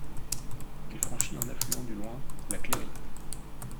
Il franchit un affluent du Loing, la Cléry.